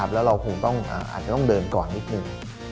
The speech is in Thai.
แล้วเราคงอาจจะต้องเดินก่อนนิดหนึ่ง